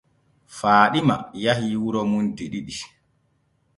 Faaɗima yahii wuro muuɗum de ɗiɗi.